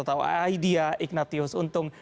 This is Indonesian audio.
atau aidia ignatius untung